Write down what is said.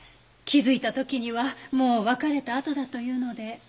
気付いた時にはもう別れたあとだと言うので。